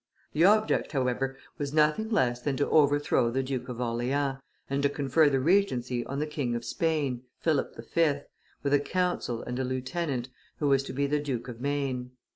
The object, however, was nothing less than to overthrow the Duke of Orleans, and to confer the regency on the King of Spain, Philip V., with a council and a lieutenant, who was to be the Duke of Maine.